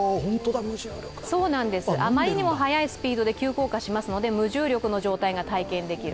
あまりにも速いスピードで急降下しますので無重力の状態が体験できる。